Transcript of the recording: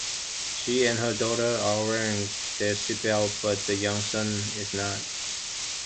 She and her daughter are wearing their seatbelts, but the young son is not.